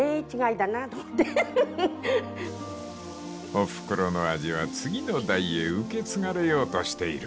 ［おふくろの味は次の代へ受け継がれようとしている］